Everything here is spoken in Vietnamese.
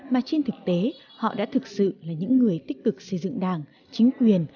mà trên thực tế họ đã thực sự là những người tích cực xây dựng đảng chính quyền